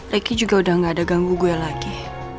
ricky juga udah nggak ada ganggu gua lagi